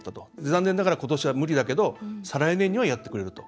残念ながらことしは無理だけど再来年はやってくれると。